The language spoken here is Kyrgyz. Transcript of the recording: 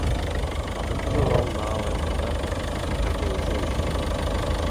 Акыркы жолу ал наабайканада айдоочу болуп иштеген.